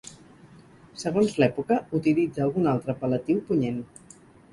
Segons l'època, utilitza algun altre apel·latiu punyent.